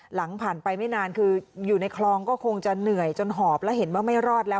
หลังผ่านไปไม่นานคืออยู่ในคลองก็คงจะเหนื่อยจนหอบแล้วเห็นว่าไม่รอดแล้ว